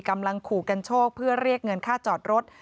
กำลังขู่กันโชคเพื่อเรียกเงินค่าจอดรถ